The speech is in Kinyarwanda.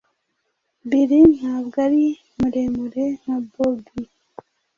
Bill ntabwo ari muremure nka Bobi